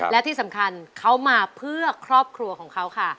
และที่สำคัญเขามาเพื่อครอบครัวของเขาค่ะ